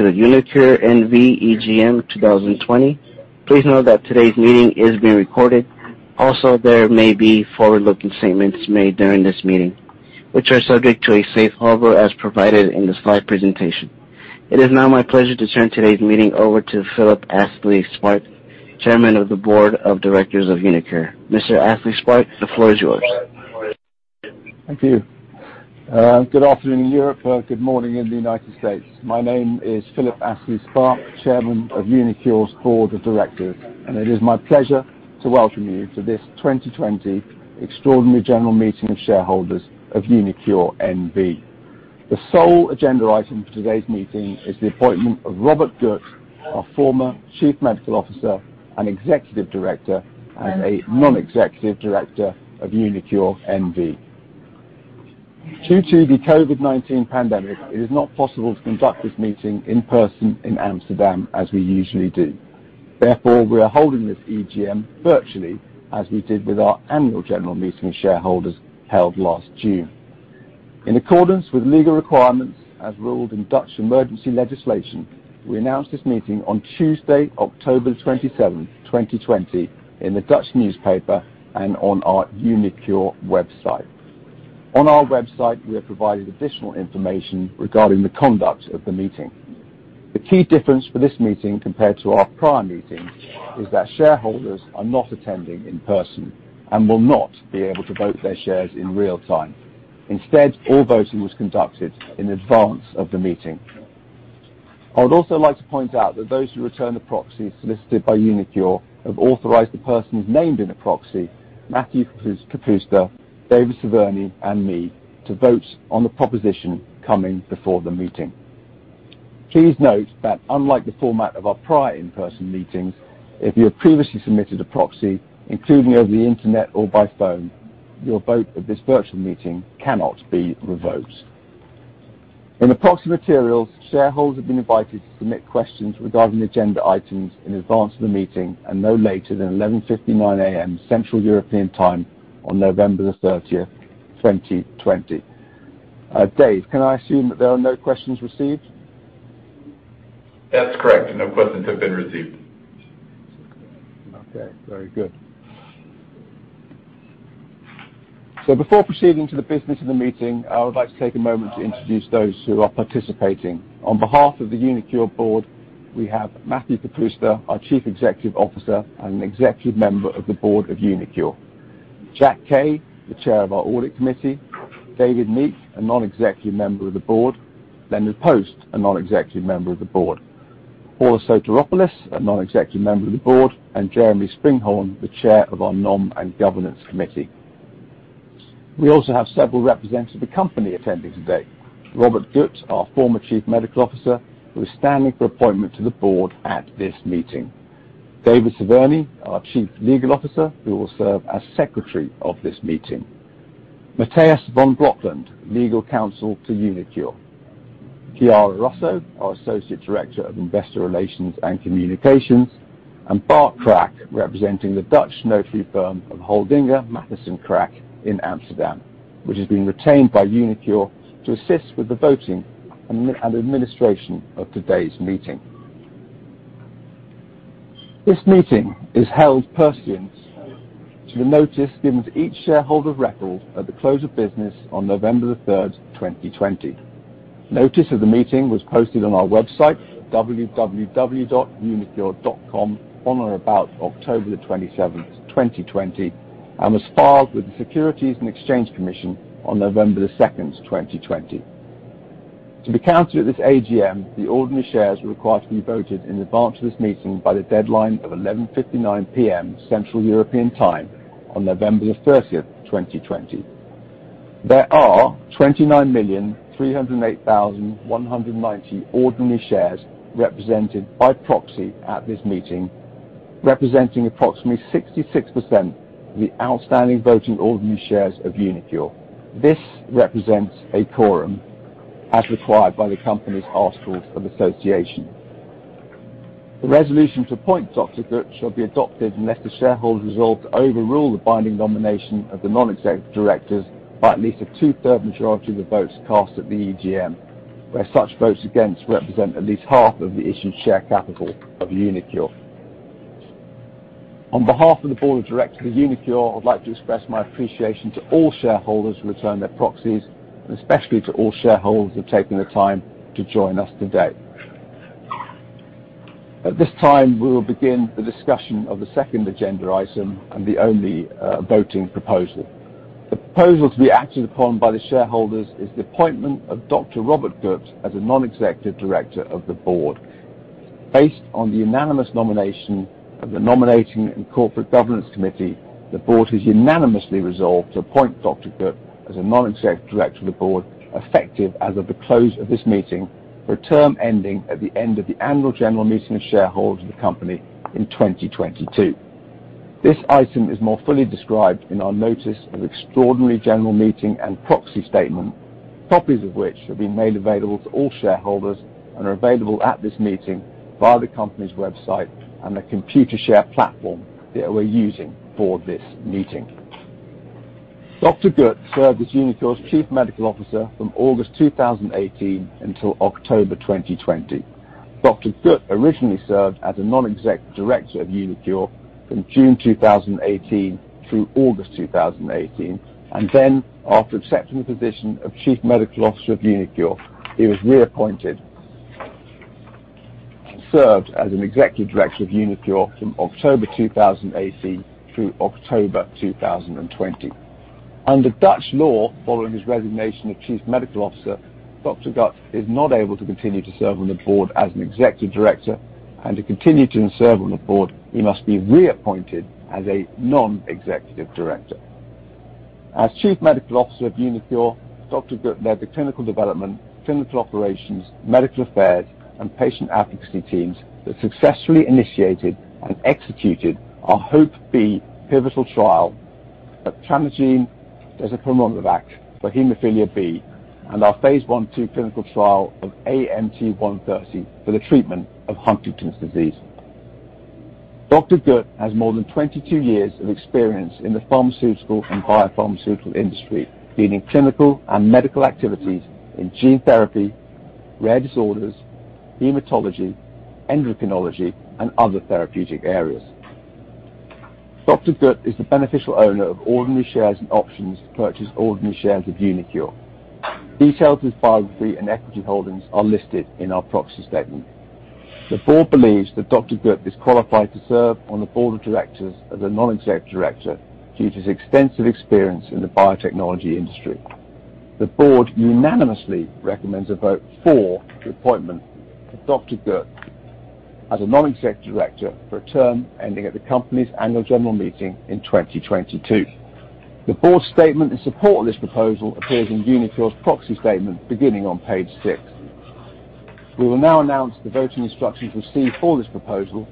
Hello, and welcome to the uniQure N.V. EGM 2020. Please note that today's meeting is being recorded. There may be forward-looking statements made during this meeting, which are subject to a safe harbor as provided in the slide presentation. It is now my pleasure to turn today's meeting over to Philip Astley-Sparke, Chairman of the Board of Directors of uniQure. Mr. Astley-Sparke, the floor is yours. Thank you. Good afternoon, Europe. Good morning, in the United States. My name is Philip Astley-Sparke, Chairman of uniQure's Board of Directors, and it is my pleasure to welcome you to this 2020 Extraordinary General Meeting of Shareholders of uniQure NV. The sole agenda item for today's meeting is the appointment of Robert Gut, our former Chief Medical Officer and Executive Director, and a Non-Executive Director of uniQure NV. Due to the COVID-19 pandemic, it is not possible to conduct this meeting in person in Amsterdam as we usually do. Therefore, we are holding this EGM virtually as we did with our Annual General Meeting of Shareholders held last June. In accordance with legal requirements as ruled in Dutch emergency legislation, we announced this meeting on Tuesday, October 27, 2020, in the Dutch newspaper and on our uniQure website. On our website, we have provided additional information regarding the conduct of the meeting. The key difference for this meeting compared to our prior meeting is that shareholders are not attending in person and will not be able to vote their shares in real time. All voting was conducted in advance of the meeting. I would also like to point out that those who return the proxies solicited by uniQure have authorized the persons named in the proxy, Matthew Kapusta, David Cerveny, and me, to vote on the proposition coming before the meeting. Please note that unlike the format of our prior in-person meetings, if you have previously submitted a proxy, including over the internet or by phone, your vote at this virtual meeting cannot be revoked. In the proxy materials, shareholders have been invited to submit questions regarding the agenda items in advance of the meeting and no later than 11:59 AM Central European Time on November the 30th, 2020. Dave, can I assume that there are no questions received? That's correct. No questions have been received. Okay. Very good. Before proceeding to the business of the meeting, I would like to take a moment to introduce those who are participating. On behalf of the uniQure board, we have Matthew Kapusta, our Chief Executive Officer and Executive Member of the Board of uniQure. Jack Kaye, the Chair of our Audit Committee. David Meek, a Non-Executive Member of the Board. Leonard Post, a Non-Executive Member of the Board. Paula Soteropoulos, a Non-Executive Member of the Board, and Jeremy Springhorn, the Chair of our Nominating and Governance Committee. We also have several representatives of the company attending today. Robert Gut, our former Chief Medical Officer, who is standing for appointment to the board at this meeting. David Cerveny, our Chief Legal Officer, who will serve as Secretary of this meeting. Matthias von Blottnitz, Legal Counsel to uniQure. Chiara Rosso, our Associate Director of Investor Relations and Communications, and Bart Krak, representing the Dutch notary firm of Holdinga Matthijssen Kraak in Amsterdam, which has been retained by uniQure to assist with the voting and administration of today's meeting. This meeting is held pursuant to the notice given to each shareholder of record at the close of business on November the 3rd, 2020. Notice of the meeting was posted on our website, www.uniqure.com, on or about October the 27th, 2020, and was filed with the Securities and Exchange Commission on November the 2nd, 2020. To be counted at this AGM, the ordinary shares were required to be voted in advance of this meeting by the deadline of 11:59 P.M. Central European Time on November the 30th, 2020. There are 29,308,190 ordinary shares represented by proxy at this meeting, representing approximately 66% of the outstanding voting ordinary shares of uniQure. This represents a quorum as required by the company's articles of association. The resolution to appoint Dr. Gut shall be adopted unless the shareholders resolve to overrule the binding nomination of the non-executive directors by at least a two-third majority of the votes cast at the EGM, where such votes against represent at least half of the issued share capital of uniQure. On behalf of the Board of Directors of uniQure, I would like to express my appreciation to all shareholders who returned their proxies, and especially to all shareholders who have taken the time to join us today. At this time, we will begin the discussion of the second agenda item and the only voting proposal. The proposal to be acted upon by the shareholders is the appointment of Dr. Robert Gut as a Non-Executive Director of the Board. Based on the unanimous nomination of the Nominating and Corporate Governance Committee, the Board has unanimously resolved to appoint Dr. Gut as a Non-Executive Director of the Board, effective as of the close of this meeting for a term ending at the end of the annual general meeting of shareholders of the company in 2022. This item is more fully described in our notice of Extraordinary General Meeting and proxy statement, copies of which have been made available to all shareholders and are available at this meeting via the company's website and the Computershare platform that we're using for this meeting. Dr. Gut served as uniQure's Chief Medical Officer from August 2018 until October 2020. Dr. Gut originally served as a non-exec director of uniQure from June 2018 through August 2018, and then after accepting the position of Chief Medical Officer of uniQure, he was reappointed and served as an executive director of uniQure from October 2018 through October 2020. Under Dutch law, following his resignation as Chief Medical Officer, Dr. Gut is not able to continue to serve on the board as an executive director, and to continue to serve on the board, he must be reappointed as a non-executive director. As Chief Medical Officer of uniQure, Dr. Gut led the clinical development, clinical operations, medical affairs, and patient advocacy teams that successfully initiated and executed our HOPE-B pivotal trial of etranacogene dezaparvovec for hemophilia B and our phase I-II clinical trial of AMT-130 for the treatment of Huntington's disease. Dr. Gut has more than 22 years of experience in the pharmaceutical and biopharmaceutical industry, leading clinical and medical activities in gene therapy, rare disorders, hematology, endocrinology, and other therapeutic areas. Dr. Gut is the beneficial owner of ordinary shares and options to purchase ordinary shares of uniQure. Details of his biography and equity holdings are listed in our proxy statement. The board believes that Dr. Gut is qualified to serve on the board of directors as a non-executive director due to his extensive experience in the biotechnology industry. The board unanimously recommends a vote for the appointment of Dr. Gut as a non-executive director for a term ending at the company's annual general meeting in 2022. The board statement in support of this proposal appears in uniQure's proxy statement beginning on page six. We will now announce the voting instructions received for this proposal.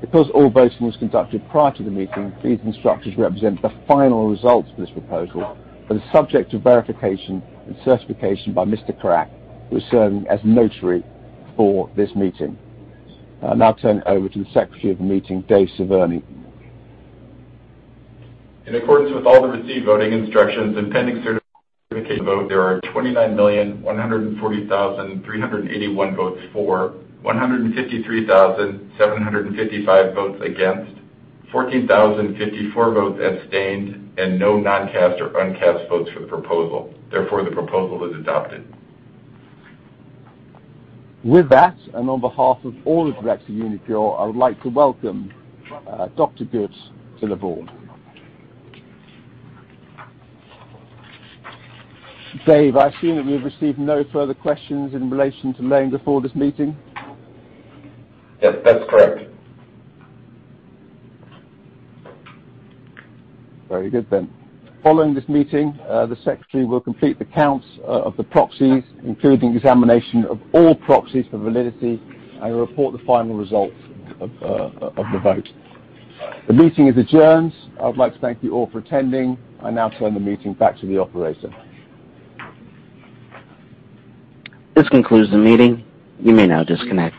Because all voting was conducted prior to the meeting, these instructions represent the final results of this proposal, but are subject to verification and certification by Mr. Krak, who is serving as notary for this meeting. I'll now turn it over to the secretary of the meeting, David Cerveny. In accordance with all the received voting instructions and pending certification vote, there are 29,140,381 votes for, 153,755 votes against, 14,054 votes abstained, and no non-cast or uncast votes for the proposal. Therefore, the proposal is adopted. With that, on behalf of all the directors of uniQure, I would like to welcome Dr. Gut to the board. Dave, I assume that we've received no further questions in relation to laying before this meeting? Yes, that's correct. Very good. Following this meeting, the secretary will complete the counts of the proxies, including examination of all proxies for validity, and report the final results of the vote. The meeting is adjourned. I would like to thank you all for attending. I now turn the meeting back to the operator. This concludes the meeting. You may now disconnect.